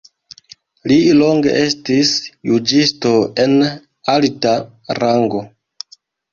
Li longe estis juĝisto en alta rango.